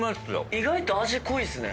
意外と味濃いっすね。